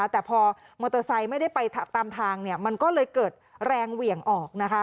แต่พอมอเตอร์ไซค์ไม่ได้ไปตามทางมันก็เลยเกิดแรงเหวี่ยงออกนะคะ